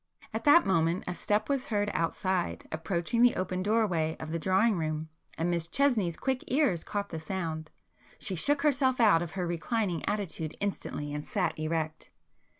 At that moment a step was heard outside, approaching the open doorway of the drawing room, and Miss Chesney's quick ears caught the sound. She shook herself out of her reclining attitude instantly and sat erect.